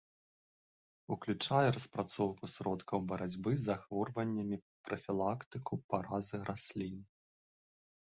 Уключае распрацоўку сродкаў барацьбы з захворваннямі, прафілактыку паразы раслін.